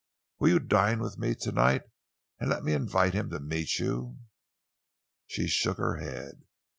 Will you dine with me to night and let me invite him to meet you?" She shook her head.